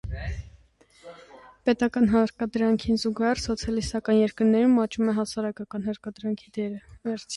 Պետական հարկադրանքին զուգահեռ սոցիալիստական երկրներում աճում է հասարակական հարկադրանքի դերը։